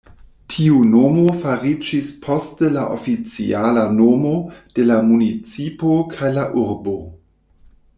Tiu nomo fariĝis poste la oficiala nomo de la municipo kaj la urbo.